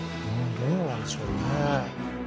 どうなんでしょうね